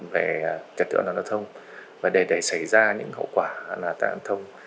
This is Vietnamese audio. về trật tựa an toàn giao thông và để xảy ra những hậu quả tai nạn thông